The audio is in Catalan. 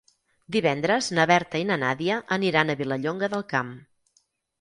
Divendres na Berta i na Nàdia aniran a Vilallonga del Camp.